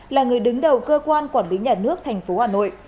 là người đứng đầu cơ quan quản lý nhà nước tp hà nội